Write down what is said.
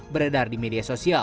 beredar di media sosial